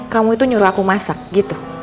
kamu itu nyuruh aku masak gitu